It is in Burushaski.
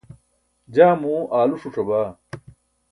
jaa muu aalu ṣuc̣abaa